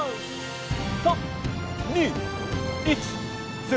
３２１０